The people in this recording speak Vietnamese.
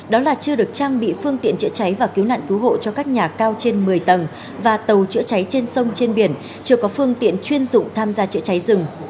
đó là chưa được trang bị phương tiện chữa cháy và cứu nạn cứu hộ cho các nhà cao trên một mươi tầng và tàu chữa cháy trên sông trên biển chưa có phương tiện chuyên dụng tham gia chữa cháy rừng